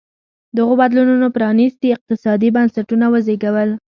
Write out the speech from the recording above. دغو بدلونونو پرانېستي اقتصادي بنسټونه وزېږول.